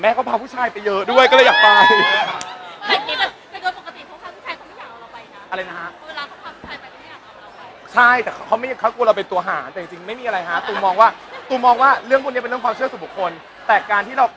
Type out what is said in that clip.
มันมีอารมณ์เจ็บเกินไปว่าพี่หอมมีการโทรไปเตือนบางอย่างกับหนูเล็ก